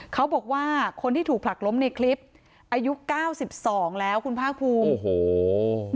เขาบอกว่าคนที่ถูกผลักล้มในคลิปอายุ๙๒แล้วคุณภาคภูมิ